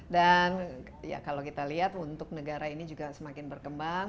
dan ya kalau kita lihat untuk negara ini juga semakin berkembang